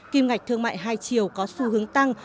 kim ngạch thương mại hai chiều có xu hướng tăng